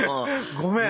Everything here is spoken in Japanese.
ごめん！